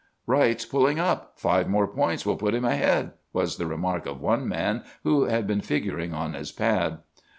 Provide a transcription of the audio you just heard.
"'Wright's pulling up! Five more points will put him ahead!' was the remark of one man who had been figuring on his pad.